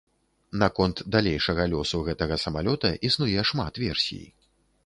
Наконт далейшага лёсу гэтага самалёта існуе шмат версій.